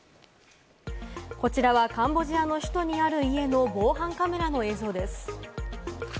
こちらはカンボジアの首都にある家の防犯カメラの映像です。